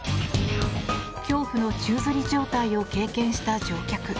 恐怖の宙づり状態を経験した乗客。